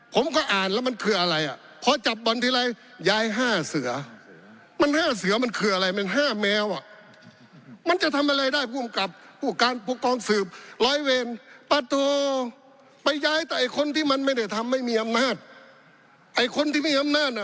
ผมก็อ่านแล้วมันคืออะไร